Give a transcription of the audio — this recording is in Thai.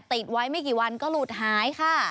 ติดไว้ไม่กี่วันก็หลุดหายค่ะ